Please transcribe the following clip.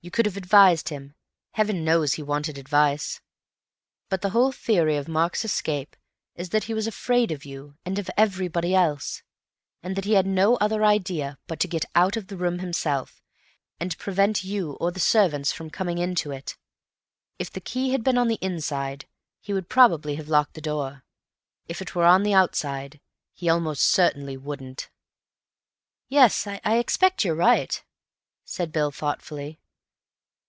You could have advised him; Heaven knows he wanted advice. But the whole theory of Mark's escape is that he was afraid of you and of everybody else, and that he had no other idea but to get out of the room himself, and prevent you or the servants from coming into it. If the key had been on the inside, he would probably have locked the door. If it were on the outside, he almost certainly wouldn't." "Yes, I expect you're right," said Bill thoughtfully.